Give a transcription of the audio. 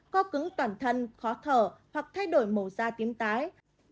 co cứng toàn thân khó thở hoặc thay đổi màu da tíếm tái